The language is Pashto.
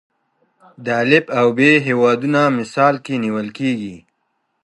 د الف او ب هیوادونه مثال کې نیول کېږي.